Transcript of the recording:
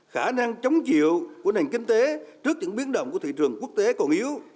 khả năng chống chịu của nền kinh tế trước những biến động của thị trường quốc tế còn yếu